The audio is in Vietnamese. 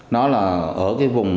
nó là ở cái vùng